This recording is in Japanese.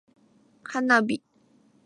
花火